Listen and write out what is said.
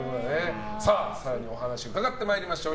更にお話を伺ってまいりましょう。